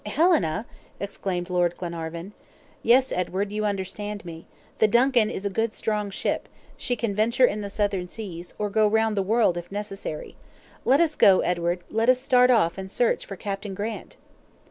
"Helena!" exclaimed Lord Glenarvan. "Yes, Edward, you understand me. The DUNCAN is a good strong ship, she can venture in the Southern Seas, or go round the world if necessary. Let us go, Edward; let us start off and search for Captain Grant!"